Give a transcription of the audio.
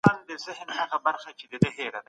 ملي شورا ګډ بازار نه پریږدي.